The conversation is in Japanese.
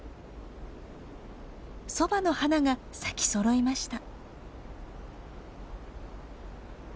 そばの花が咲きそろいました。